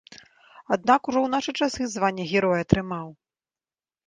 Аднак ужо ў нашы часы звання героя атрымаў.